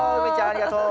ありがとう！